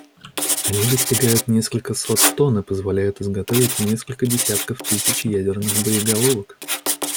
Они достигают несколько сот тонн и позволяют изготовить несколько десятков тысяч ядерных боеголовок.